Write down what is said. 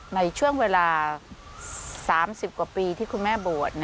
ในช่วงเวลา๓๐กว่าปีที่คุณแม่บวช